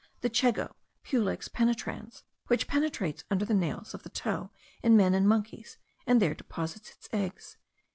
(* The chego (Pulex penetrans) which penetrates under the nails of the toe in men and monkeys, and there deposits its eggs.)